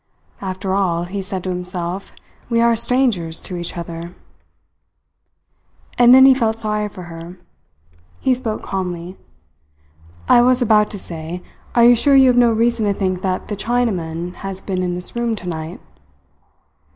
"After all," he said to himself, "we are strangers to each other." And then he felt sorry for her. He spoke calmly: "I was about to say, are you sure you have no reason to think that the Chinaman has been in this room tonight?"